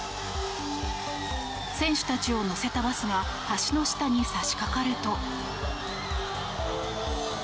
選手たちを乗せたバスが橋の下に差しかかると。